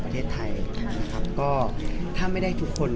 ถ้าไม่ได้ทุกคน